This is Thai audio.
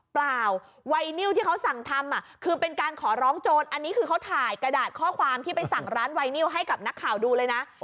เปล่าไวนิวที่เขาสั่งทำคือเป็นการขอร้องโจรอันนี้คือเขาถ่ายกระดาษข้อความที่ไปสั่งร้านไวนิวให้กับนักข่าวดูเลยนะ